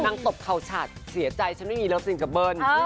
นางตบเขาชัดเสียใจฉันไม่มีรับสินกับเบิ้ล